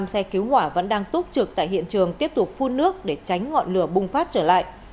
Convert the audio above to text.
một trăm xe cứu hỏa vẫn đang túc trực tại hiện trường tiếp tục phun nước để tránh ngọn lửa bùng phát trở lại